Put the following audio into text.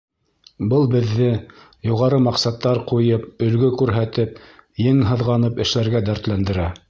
Был беҙҙе, юғары маҡсаттар ҡуйып, өлгө күрһәтеп, ең һыҙғанып эшләргә дәртләндерә.